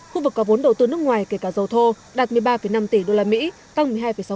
khu vực có vốn đầu tư nước ngoài kể cả dầu thô đạt một mươi ba năm tỷ usd tăng một mươi hai sáu